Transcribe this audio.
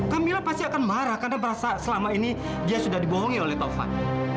kamila pasti akan marah karena merasa selama ini dia sudah dibohongi oleh taufan